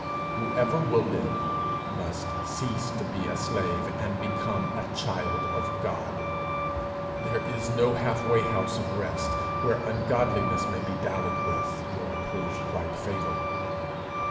Whoever will live must cease to be a slave and become a child of God. There is no half way house of rest, where ungodliness may be dallied with, nor prove quite fatal.